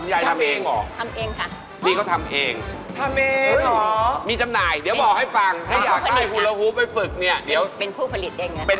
อันนี้คือทำเองเหรอ